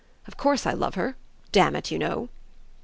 "Of course I love her, damn it, you know!"